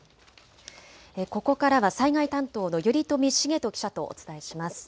ここからは災害担当の頼富重人記者とお伝えします。